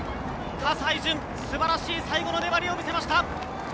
葛西潤、素晴らしい最後の粘りを見せました。